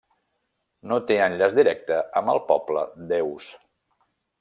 No té enllaç directe amb el poble d'Eus.